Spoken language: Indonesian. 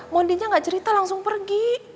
mondinya gak cerita langsung pergi